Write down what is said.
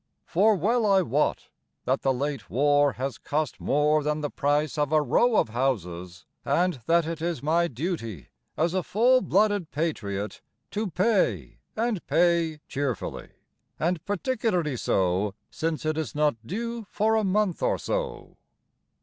For well I wot That the late War Has cost more than the price of a row of houses, And that it is my duty, as a full blooded patriot, To pay, and pay cheerfully; And particularly so Since it is not due for a month or so.